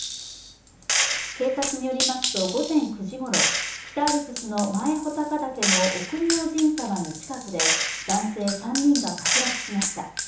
警察によりますと午前９時ごろ、北アルプスの前穂高岳の奥明神沢の近くで男性３人が滑落しました。